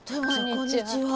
こんにちは。